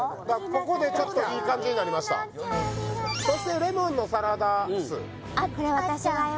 ここでちょっといい感じになりましたそしてレモンのサラダ酢あっ